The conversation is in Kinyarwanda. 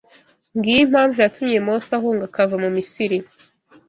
Ngiyo impamvu yatumye Mose ahunga akava mu Misiri